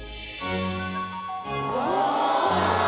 うわ！